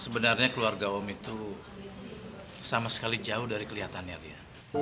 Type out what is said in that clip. sebenarnya keluarga om itu sama sekali jauh dari kelihatannya lia